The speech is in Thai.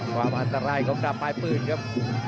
ความอันตรายของดาบปลายปืนครับ